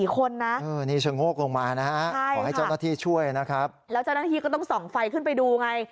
๑๔คนนะใช่ค่ะแล้วเจ้าหน้าที่ก็ต้องส่องไฟขึ้นไปดูไง